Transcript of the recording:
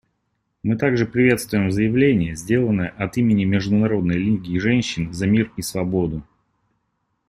Мы также приветствуем заявление, сделанное от имени Международной лиги женщин за мир и свободу.